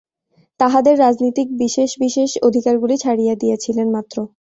তাঁহাদের রাজনীতিক বিশেষ বিশেষ অধিকারগুলি ছাড়িয়া দিয়াছিলেন মাত্র।